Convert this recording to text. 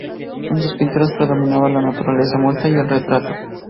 En sus pinturas predominaba la naturaleza muerta y el retrato.